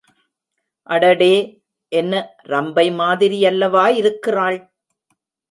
அடடே என்ன ரம்பை மாதிரியல்லவா இருக்கிறாள்!